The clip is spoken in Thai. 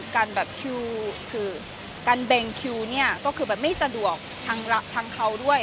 การเบงคิวเนี่ยก็คือไม่สะดวกทางเขาด้วย